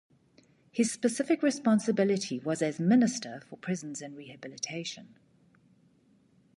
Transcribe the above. His specific responsibility was as Minister for Prisons and Rehabilitation.